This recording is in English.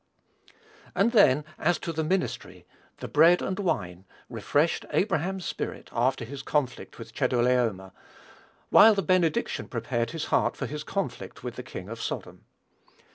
And then as to the ministry, the "bread and wine" refreshed Abraham's spirit, after his conflict with Chedorlaomer; while the benediction prepared his heart for his conflict with the king of Sodom.